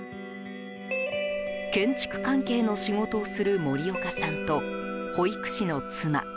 建築関係の仕事をする森岡さんと保育士の妻。